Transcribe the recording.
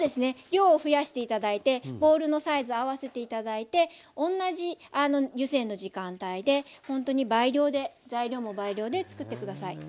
量を増やして頂いてボウルのサイズ合わせて頂いておんなじ湯煎の時間帯でほんとに倍量で材料も倍量でつくって下さい。